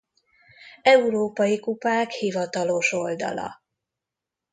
Európai kupák hivatalos oldala